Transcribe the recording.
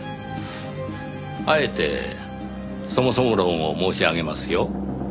あえてそもそも論を申し上げますよ。